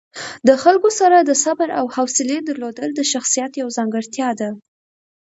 د خلکو سره د صبر او حوصلې درلودل د شخصیت یوه ځانګړتیا ده.